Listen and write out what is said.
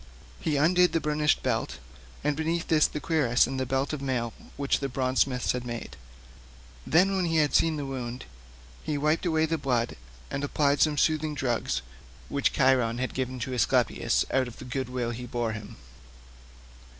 He undid the burnished belt, and beneath this the cuirass and the belt of mail which the bronze smiths had made; then, when he had seen the wound, he wiped away the blood and applied some soothing drugs which Chiron had given to Aesculapius out of the good will he bore him.